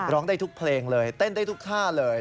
ร้องได้ทุกเพลงเลยเต้นได้ทุกท่าเลย